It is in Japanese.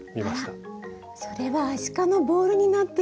あらそれはアシカのボールになってるんですか？